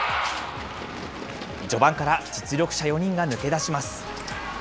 序盤から実力者４人が抜けだします。